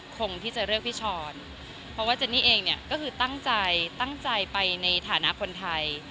คงที่จะเลือกพี่ช้อนเพราะว่าเจนนี่เองเนี่ยก็คือตั้งใจตั้งใจไปในฐานะคนไทย